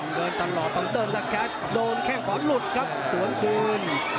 ต้องเดินตลอดจะคือโดนแค่ขอดหลุดครับสวนคลื่น